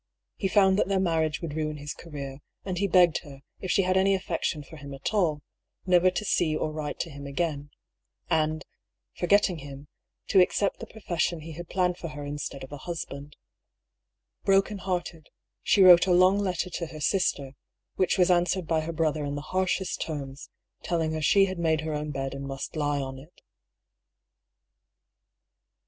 He found that their marriage would ruin his career, and he begged her, if she had any affec tion for him at all, never to see or write to him again, 66 DR. PAULL'S THEORY. and, forgetting him, to accept the profession he had planned for her instead of a husband. Brokenhearted, she wrote a long letter to her sister, which was answered by her brother in the harshest terms, telling her she had made her own bed and must lie on it.